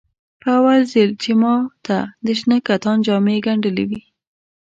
په اول ځل یې ماته د شنه کتان جامې ګنډلې وې.